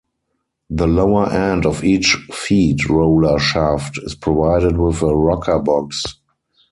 The lower end of each feed roller shaft is provided with a rocker box.